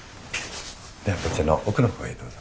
ではこちらの奥の方へどうぞ。